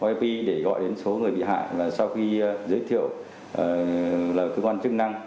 ip để gọi đến số người bị hại và sau khi giới thiệu là cơ quan chức năng